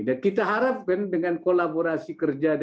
dan kita harapkan dengan kolaborasi kerja di sana